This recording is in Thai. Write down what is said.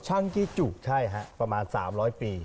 ชังจิจุใช่ครับประมาณสามร้อยปี